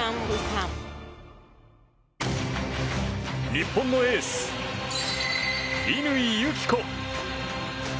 日本のエース、乾友紀子。